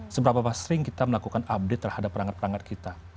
seberapa sering kita melakukan update terhadap perangkat perangkat kita